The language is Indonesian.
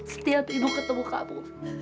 setiap ibu ketemu kamu